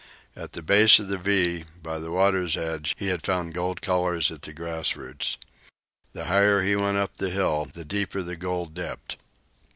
At the base of the "V," by the water's edge, he had found the gold colors at the grass roots. The higher he went up the hill, the deeper the gold dipped.